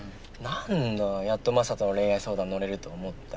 何だやっと雅人の恋愛相談乗れると思ったのに。